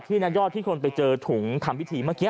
นายยอดที่คนไปเจอถุงทำพิธีเมื่อกี้